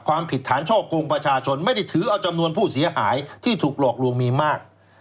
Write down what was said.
ความผิดฐานช่อกงประชาชนไม่ได้ถือเอาจำนวนผู้เสียหายที่ถูกหลอกลวงมีมาก